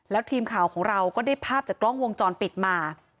แล้วทีมข่าวของเราก็ได้ภาพจากกล้องวงจรปิดมา